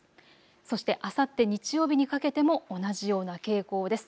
そして、あさって日曜日にかけても同じような傾向です。